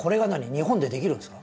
日本でできるんですか？